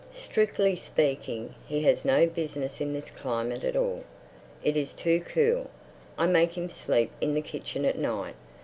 Strictly speaking, he has no business in this climate at all. It is too cool. I make him sleep in the kitchen at night.